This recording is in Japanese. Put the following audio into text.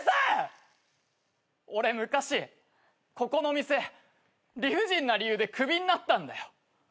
俺昔ここの店理不尽な理由で首になったんだよ。